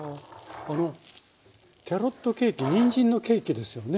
あのキャロットケーキにんじんのケーキですよね？